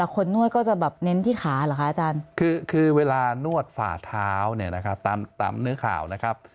ก็คือเวลานวดฝ่าเท้าเนี่ยนะครับตามเนื้อข่าวนะครับ